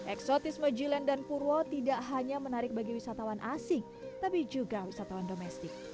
eksotisme jilen dan purwo tidak hanya menarik bagi wisatawan asing tapi juga wisatawan domestik